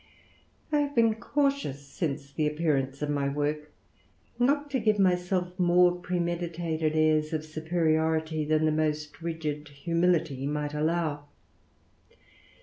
I have been cautious, since the appearance of ^y work, not to give myself more premeditated airs of ^periority than the most rigid humihty might allow.